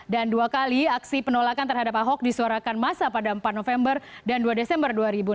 dan dua kali aksi penolakan terhadap ahok disuarakan masa pada empat november dan dua desember dua ribu enam belas